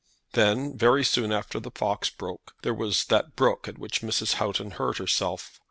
"Then, very soon after the fox broke, there was that brook at which Mrs. Houghton hurt herself.